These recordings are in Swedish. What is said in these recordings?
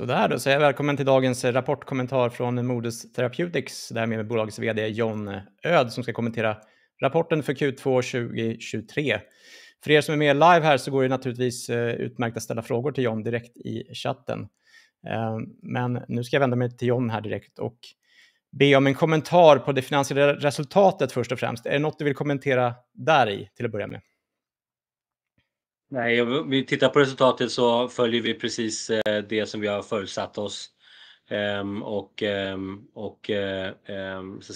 Där är vi, välkommen till dagens rapportkommentar från Modus Therapeutics. Här är bolagets VD, John Öhd, som ska kommentera rapporten för Q2 2023. För er som är med live här går det naturligtvis utmärkt att ställa frågor till John direkt i chatten. Nu ska jag vända mig till John här direkt och be om en kommentar på det finansiella resultatet först och främst. Är det något du vill kommentera där till att börja med? Nej, om vi tittar på resultatet så följer vi precis det som vi har förutsatt oss.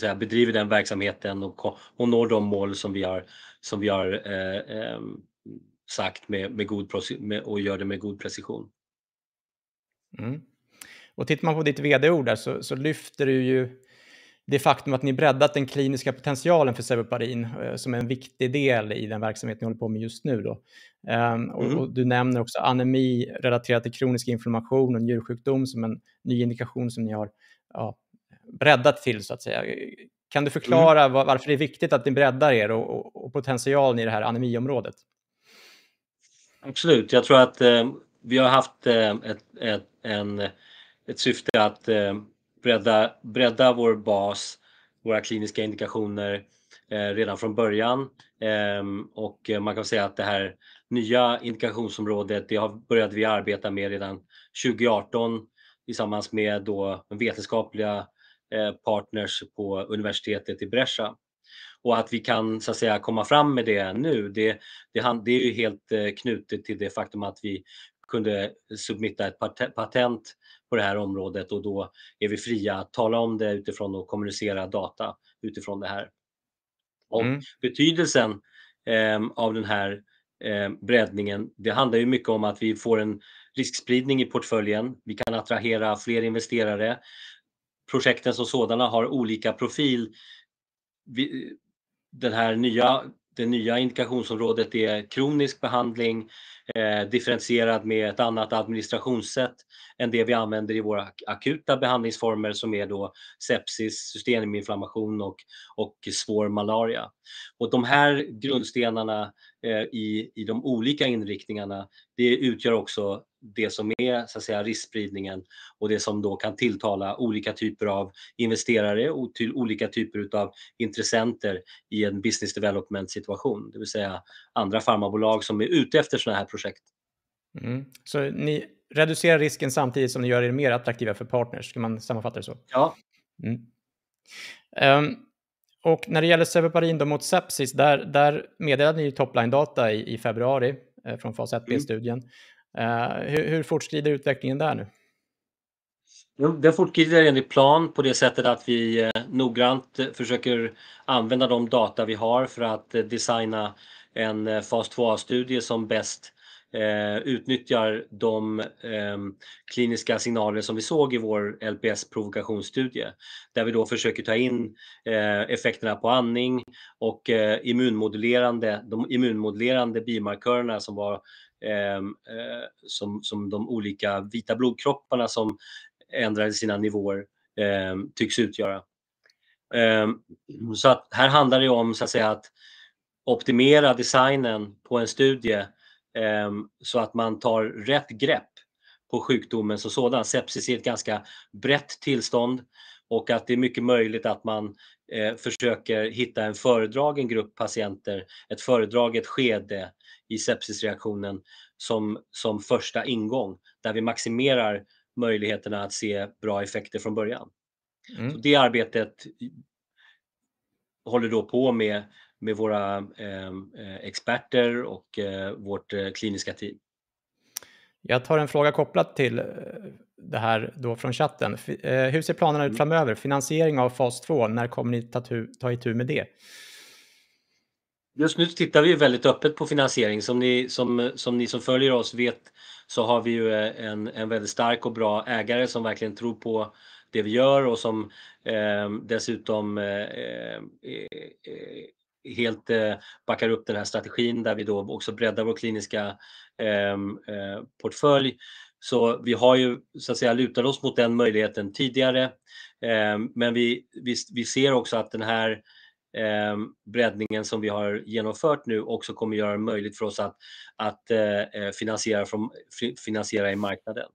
Vi bedriver den verksamheten och når de mål som vi har sagt med god precision. Tittar man på ditt VD-ord där så lyfter du ju det faktum att ni breddat den kliniska potentialen för Sevuparin, som är en viktig del i den verksamhet ni håller på med just nu. Du nämner också anemi relaterat till kronisk inflammation och njursjukdom som en ny indikation som ni har breddat till, så att säga. Kan du förklara varför det är viktigt att ni breddar er och potentialen i det här anemiområdet? Absolut, jag tror att vi har haft ett syfte att bredda vår bas, våra kliniska indikationer, redan från början. Man kan säga att det här nya indikationsområdet har vi börjat arbeta med redan 2018, tillsammans med vetenskapliga partners på universitetet i Brescia. Att vi kan komma fram med det nu är helt knutet till det faktum att vi kunde submitta ett patent på det här området, och då är vi fria att tala om det utifrån och kommunicera data utifrån det här. Betydelsen av den här breddningen handlar mycket om att vi får en riskspridning i portföljen. Vi kan attrahera fler investerare. Projekten som sådana har olika profil. Det här nya indikationsområdet är kronisk behandling, differentierad med ett annat administrationssätt än det vi använder i våra akuta behandlingsformer, som är sepsis, systeminflammation och svår malaria. De här grundstenarna i de olika inriktningarna utgör också det som är riskspridningen och det som kan tilltala olika typer av investerare och olika typer av intressenter i en business development-situation. Det vill säga andra pharmabolag som är ute efter sådana här projekt. Så ni reducerar risken samtidigt som ni gör er mer attraktiva för partners. Ska man sammanfatta det så? Ja. När det gäller Sevuparin mot sepsis meddelade ni top line data i februari från Fas 1b-studien. Hur fortskrider utvecklingen där nu? Jo, det fortskrider enligt plan på det sättet att vi noggrant försöker använda de data vi har för att designa en fas 2a-studie som bäst utnyttjar de kliniska signaler som vi såg i vår LPS-provokationsstudie, där vi försöker ta in effekterna på andning och de immunmodulerande biomarkörerna som de olika vita blodkropparna som ändrade sina nivåer tycks utgöra. Så att här handlar det om att optimera designen på en studie, så att man tar rätt grepp på sjukdomen som sådan. Sepsis är ett ganska brett tillstånd och det är mycket möjligt att man försöker hitta en föredragen grupp patienter, ett föredraget skede i sepsisreaktionen, som första ingång, där vi maximerar möjligheterna att se bra effekter från början. Det arbetet håller på med våra experter och vårt kliniska team. Jag tar en fråga kopplat till det här från chatten. Hur ser planerna ut framöver? Finansiering av fas två, när kommer ni ta itu med det? Just nu tittar vi väldigt öppet på finansiering. Som ni som följer oss vet, så har vi en väldigt stark och bra ägare som verkligen tror på det vi gör och som dessutom helt backar upp den här strategin, där vi också breddar vår kliniska portfölj. Vi har lutat oss mot den möjligheten tidigare. Vi ser också att den här breddningen som vi har genomfört nu också kommer göra det möjligt för oss att finansiera i marknaden.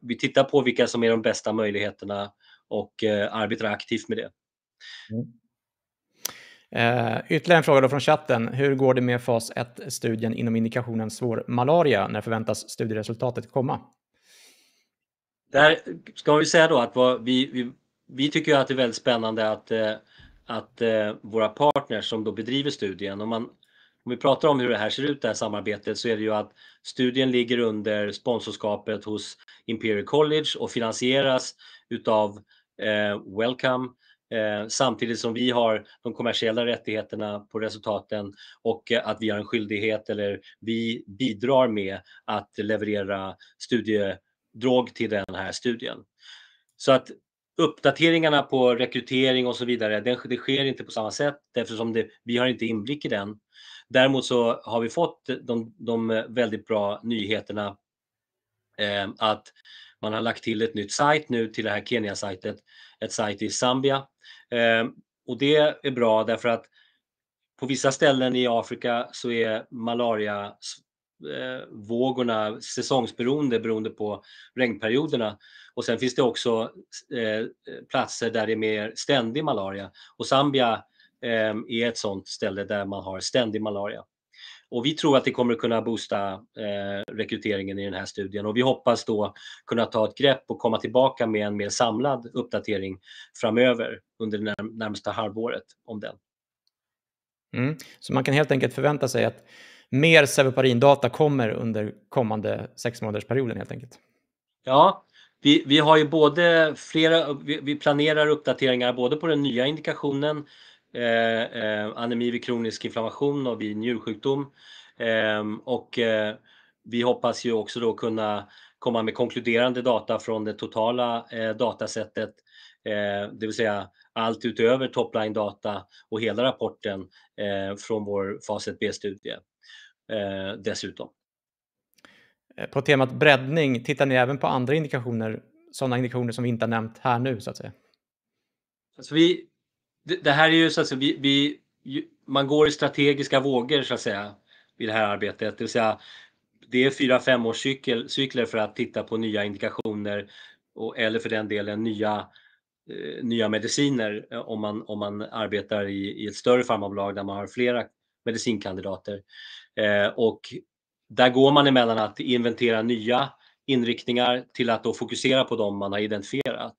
Vi tittar på vilka som är de bästa möjligheterna och arbetar aktivt med det. Ytterligare en fråga från chatten: Hur går det med fas ett-studien inom indikationen svår malaria? När förväntas studieresultatet komma? Det ska sägas att vi tycker att det är väldigt spännande att våra partners som bedriver studien... Om vi pratar om hur det här ser ut, det här samarbetet, så är det att studien ligger under sponsorskapet hos Imperial College och finansieras av Wellcome, samtidigt som vi har de kommersiella rättigheterna på resultaten och att vi har en skyldighet, eller vi bidrar med att leverera studiedrog till den här studien. Uppdateringarna på rekrytering och så vidare sker inte på samma sätt eftersom vi inte har inblick i den. Däremot har vi fått de väldigt bra nyheterna att man har lagt till ett nytt site nu till Kenya-sitet, ett site i Zambia. Det är bra därför att på vissa ställen i Afrika är malariavågorna säsongsberoende, beroende på regnperioderna. Det finns också platser där det är mer ständig malaria. Zambia är ett sådant ställe där man har ständig malaria. Vi tror att det kommer att kunna boosta rekryteringen i den här studien. Vi hoppas då kunna ta ett grepp och komma tillbaka med en mer samlad uppdatering framöver under det närmaste halvåret om den. Kan man helt enkelt förvänta sig att mer Sevuparin-data kommer under kommande sexmånadersperioden? Vi planerar uppdateringar både på den nya indikationen, anemi vid kronisk inflammation och vid njursjukdom. Vi hoppas också kunna komma med konkluderande data från det totala datasättet, det vill säga allt utöver top line data och hela rapporten från vår fas 1B-studie, dessutom. På temat breddning, tittar ni även på andra indikationer, sådana indikationer som vi inte har nämnt här nu så att säga? Vi går i strategiska vågor vid det här arbetet. Det vill säga, det är fyra, fem års cykler för att titta på nya indikationer och, eller för den delen, nya mediciner, om man arbetar i ett större pharma-bolag där man har flera medicinkandidater. Där går man emellan att inventera nya inriktningar till att fokusera på dem man har identifierat.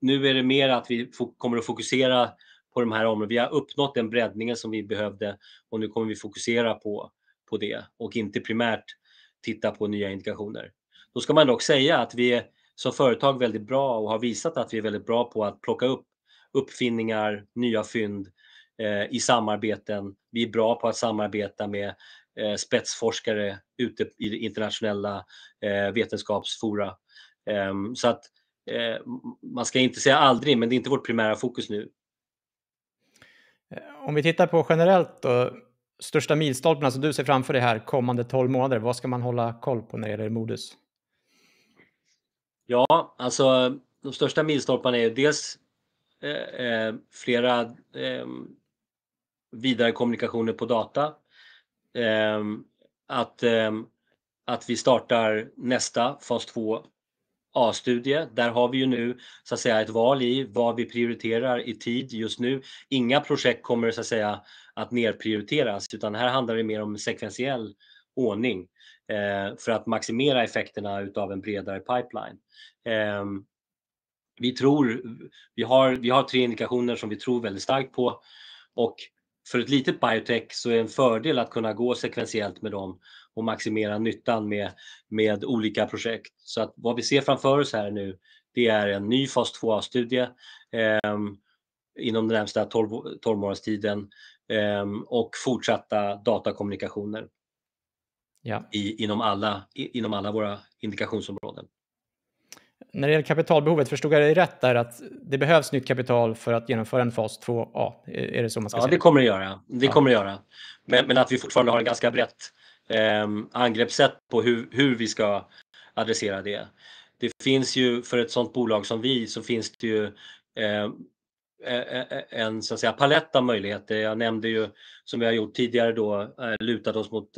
Nu är det mer att vi kommer att fokusera på de här områdena. Vi har uppnått den breddningen som vi behövde och nu kommer vi fokusera på det och inte primärt titta på nya indikationer. Dock ska man säga att vi är som företag väldigt bra och har visat att vi är väldigt bra på att plocka upp uppfinningar, nya fynd, i samarbeten. Vi är bra på att samarbeta med spetsforskare ute i det internationella vetenskapsfora. Man ska inte säga aldrig, men det är inte vårt primära fokus nu. Om vi tittar på generellt då, största milstolparna som du ser framför dig här kommande tolv månader, vad ska man hålla koll på när det gäller Modus? De största milstolparna är dels flera vidare kommunikationer på data och att vi startar nästa fas 2A-studie. Där har vi nu ett val i vad vi prioriterar i tid just nu. Inga projekt kommer att nedprioriteras, utan här handlar det mer om sekventiell ordning för att maximera effekterna av en bredare pipeline. Vi har tre indikationer som vi tror väldigt starkt på, och för ett litet biotech är det en fördel att kunna gå sekventiellt med dem och maximera nyttan med olika projekt. Vad vi ser framför oss nu är en ny fas 2A-studie inom den närmsta tolvmånaderstiden och fortsatta datakommunikationer. Ja. Inom alla våra indikationsområden. När det gäller kapitalbehovet, förstår jag dig rätt där, att det behövs nytt kapital för att genomföra en fas två A? Är det så man ska säga? Ja, det kommer det göra. Men att vi fortfarande har ett ganska brett angreppssätt på hur vi ska adressera det. Det finns ju för ett sådant bolag som vi, så finns det ju en så att säga palett av möjligheter. Jag nämnde ju, som jag har gjort tidigare, lutat oss mot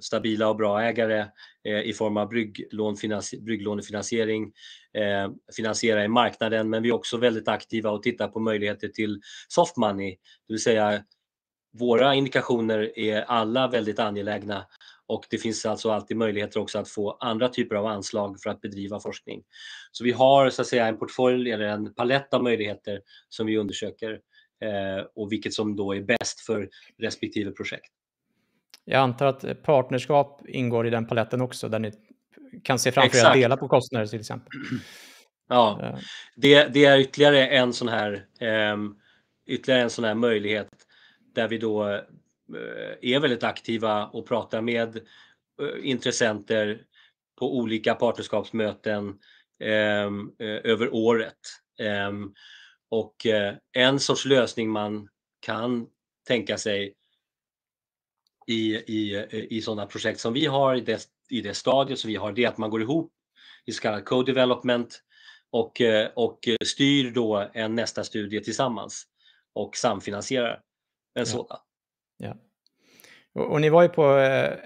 stabila och bra ägare i form av brygglån, brygglånefinansiering, finansiera i marknaden. Men vi är också väldigt aktiva och tittar på möjligheter till soft money. Det vill säga, våra indikationer är alla väldigt angelägna och det finns alltså alltid möjligheter också att få andra typer av anslag för att bedriva forskning. Så vi har så att säga en portfölj eller en palett av möjligheter som vi undersöker, och vilket som då är bäst för respektive projekt. Jag antar att partnerskap ingår i den paletten också, där ni kan se framför att dela på kostnader till exempel. Det är ytterligare en sådan möjlighet, där vi är väldigt aktiva och pratar med intressenter på olika partnerskapsmöten över året. En sorts lösning man kan tänka sig i sådana projekt som vi har i det stadiet som vi har, det är att man går ihop i så kallad co-development och styr då en nästa studie tillsammans och samfinansierar en sådan. Ja, och ni var ju på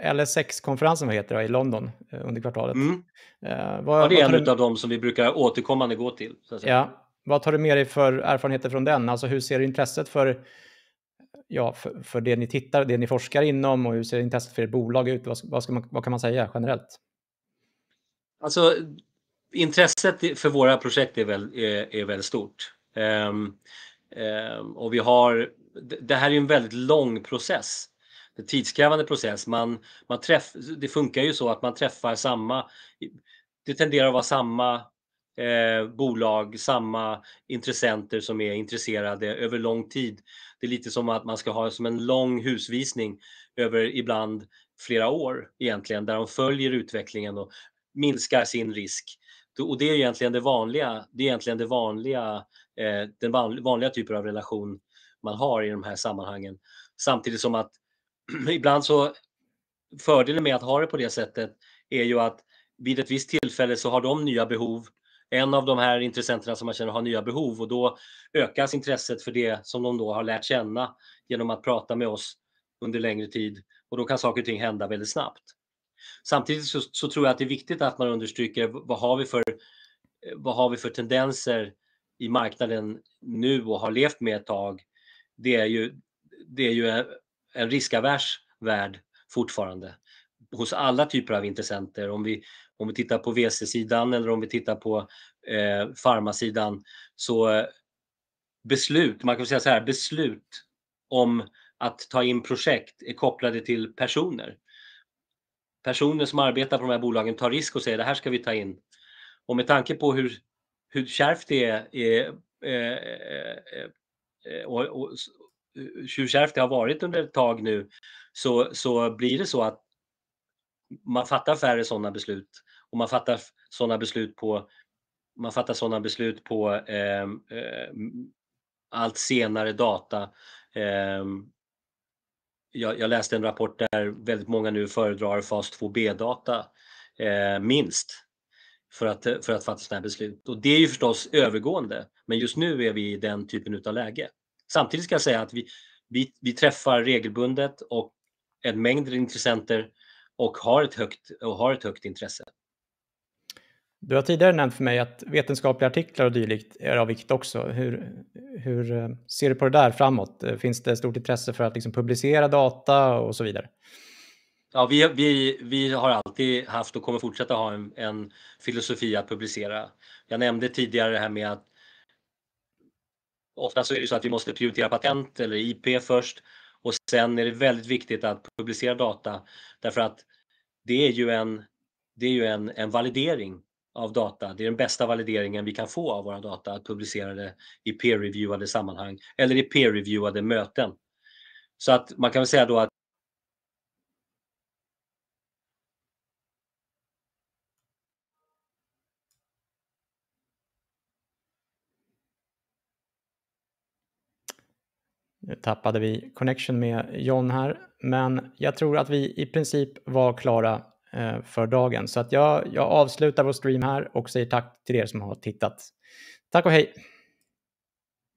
LS6-konferensen, vad det heter, i London under kvartalet. Ja, det är en utav dem som vi brukar återkommande gå till. Vad tar du med dig för erfarenheter från den? Hur ser intresset för det ni forskar inom ut, och hur ser intresset för ert bolag ut? Vad kan man säga generellt? Intresset för våra projekt är väldigt stort. Det här är en väldigt lång process, en tidskrävande process. Det fungerar ju så att man träffar samma bolag, samma intressenter som är intresserade över lång tid. Det är lite som att man ska ha en lång husvisning över ibland flera år, egentligen, där de följer utvecklingen och minskar sin risk. Det är egentligen det vanliga, den vanliga typen av relation man har i de här sammanhangen. Samtidigt som att ibland så är fördelen med att ha det på det sättet ju att vid ett visst tillfälle så har de nya behov. En av de här intressenterna som man känner har nya behov, och då ökas intresset för det som de då har lärt känna genom att prata med oss under längre tid, och då kan saker och ting hända väldigt snabbt. Samtidigt tror jag att det är viktigt att man understryker vad vi har för tendenser i marknaden nu och har levt med ett tag. Det är ju en riskavers värld fortfarande hos alla typer av intressenter. Om vi tittar på VC-sidan eller om vi tittar på farmasidan, så kan man väl säga såhär: beslut om att ta in projekt är kopplade till personer. Personer som arbetar på de här bolagen tar risk och säger: det här ska vi ta in. Och med tanke på hur kärvt det är... Och hur kärvt det har varit under ett tag nu, så blir det så att man fattar färre sådana beslut och man fattar sådana beslut på allt senare data. Jag läste en rapport där väldigt många nu föredrar fas 2B-data, minst för att fatta sådana beslut. Och det är ju förstås övergående, men just nu är vi i den typen av läge. Samtidigt ska jag säga att vi träffar regelbundet en mängd intressenter och har ett högt intresse. Du har tidigare nämnt för mig att vetenskapliga artiklar och dylikt är viktigt också. Hur ser du på det där framåt? Finns det stort intresse för att publicera data och så vidare? Vi har alltid haft och kommer fortsätta att ha en filosofi att publicera. Jag nämnde tidigare det här med att ofta så är det så att vi måste prioritera patent eller IP först, och sedan är det väldigt viktigt att publicera data. Det är en validering av data. Det är den bästa valideringen vi kan få av våra data, att publicera det i peer-reviewade sammanhang eller i peer-reviewade möten. Man kan väl säga då att- Nu tappade vi connection med John här, men jag tror att vi i princip var klara för dagen. Jag avslutar vår stream här och säger tack till er som har tittat. Tack och hej!